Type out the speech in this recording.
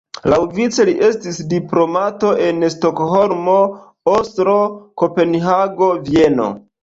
Laŭvice li estis diplomato en Stokholmo, Oslo, Kopenhago, Vieno.